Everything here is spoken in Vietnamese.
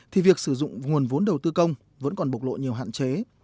thì việc sử dụng nguồn vốn đầu tư công vẫn còn bộc lộ nhiều hạn chế